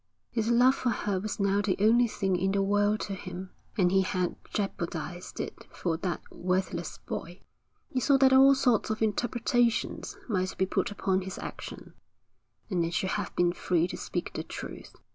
His love for her was now the only thing in the world to him, and he had jeopardised it for that worthless boy. He saw that all sorts of interpretations might be put upon his action, and he should have been free to speak the truth.